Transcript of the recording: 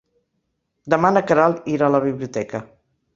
Demà na Queralt irà a la biblioteca.